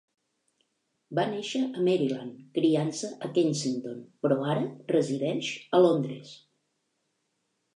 Va néixer a Maryland, criant-se a Kensington, però ara resideix a Londres.